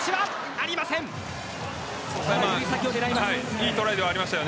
いいトライではありました。